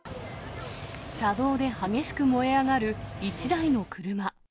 車道で激しく燃え上がる１台の車。